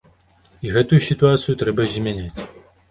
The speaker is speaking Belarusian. І гэтую сітуацыю трэба змяняць.